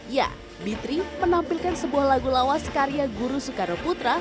ya b tiga menampilkan sebuah lagu lawas karya guru soekarno putra